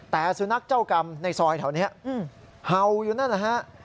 แต่สุนัขเจ้ากรรมในซอยแถวนี้เห่าอยู่นั่นแหละฮะ